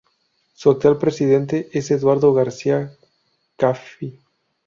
Su actual Presidente es Eduardo García Caffi.